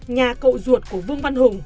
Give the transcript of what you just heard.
nhà cậu ruột của vương văn hùng